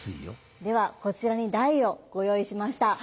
ではこちらに台をご用意しました。